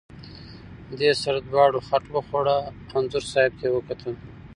دې سره دواړو خټ وخوړه، انځور صاحب ته یې وکتل.